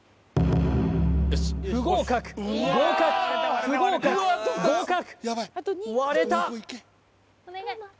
不合格合格不合格合格割れた！